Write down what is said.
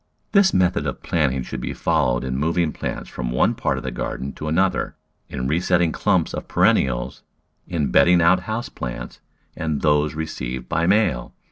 This method of planting should be followed in moving plants from one part of the garden to another, in resetting clumps of peren nials, in bedding out house plants and those received by mail.